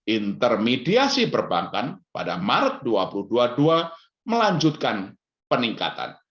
intermediasi perbankan pada maret dua ribu dua puluh dua melanjutkan peningkatan